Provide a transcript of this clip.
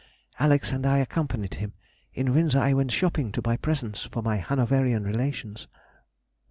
Alex. and I accompanied him. In Windsor I went shopping to buy presents for my Hanoverian relations.